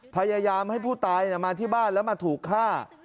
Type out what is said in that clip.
พยายามให้ผู้ตายมาที่บ้านแล้วมาถูกฆ่า